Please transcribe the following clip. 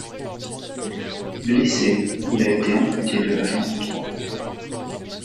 Blessé, il a été amputé de la jambe droite.